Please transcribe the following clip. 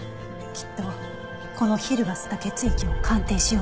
きっとこのヒルが吸った血液を鑑定しようとした。